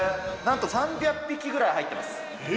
なんと３００匹ぐらい入ってます。